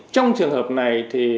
trong trường hợp này